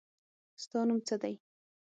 ستا نوم څه دی ؟